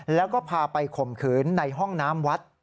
แล้วก็พาไปข่มขืนในห้องน้ำวัด